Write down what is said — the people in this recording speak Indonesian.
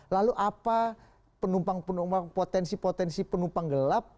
lalu apa penumpang penumpang potensi potensi penumpang gelap